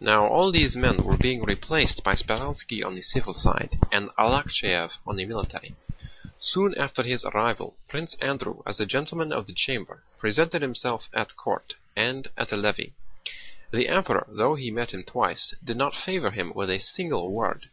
Now all these men were replaced by Speránski on the civil side, and Arakchéev on the military. Soon after his arrival Prince Andrew, as a gentleman of the chamber, presented himself at court and at a levee. The Emperor, though he met him twice, did not favor him with a single word.